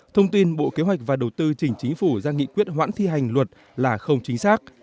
thông tin bộ kế hoạch và đầu tư chỉnh chính phủ ra nghị quyết hoãn thi hành luật là không chính xác